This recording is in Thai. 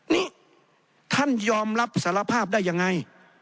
นี่ท่านยอมรับสารภาพได้ยังไง